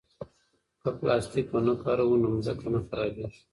که پلاستیک ونه کاروو نو ځمکه نه خرابېږي.